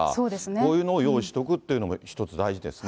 こういうのを用意しておくというのも一つ大事ですね。